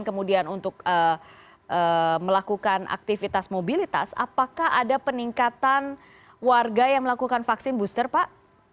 kemudian untuk melakukan aktivitas mobilitas apakah ada peningkatan warga yang melakukan vaksin booster pak